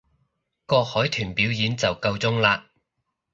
個海豚表演就夠鐘喇